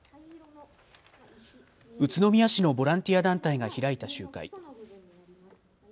宇都宮市のボランティア団体が開いた集会。